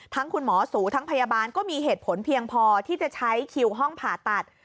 คุณหมอสูทั้งพยาบาลก็มีเหตุผลเพียงพอที่จะใช้คิวห้องผ่าตัด